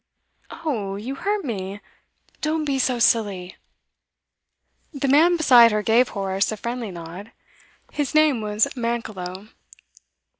'Oh, you hurt me! Don't be so silly.' The man beside her gave Horace a friendly nod. His name was Mankelow.